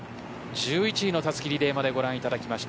１１位のたすきリレーまでご覧いただきました。